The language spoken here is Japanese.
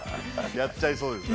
◆やっちゃいそうですね。